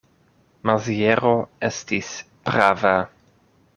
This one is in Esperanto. Maziero estis prava.